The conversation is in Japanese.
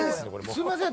すみません